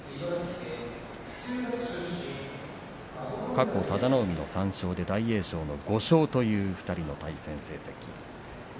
過去は佐田の海の３勝で大栄翔の５勝という２人の対戦成績。